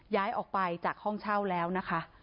ย้ายออกไปจากห้องเช่าแล้วนะคะ